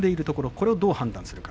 これをどう判断するか。